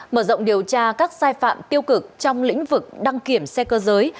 mở rộng điều tra các sai phạm tiêu cực trong lĩnh vực đăng kiểm xe cơ giới